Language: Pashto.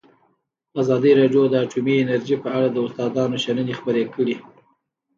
ازادي راډیو د اټومي انرژي په اړه د استادانو شننې خپرې کړي.